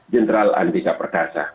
jenderal andika perdasa